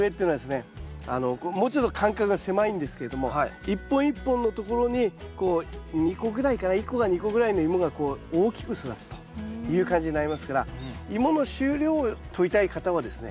もうちょっと間隔が狭いんですけれども一本一本のところにこう２個ぐらいかな１個か２個ぐらいのイモがこう大きく育つという感じになりますからイモの収量をとりたい方はですね